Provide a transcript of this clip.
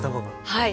はい。